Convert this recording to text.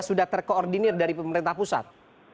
sudah terkoordinir dari pemerintah pusat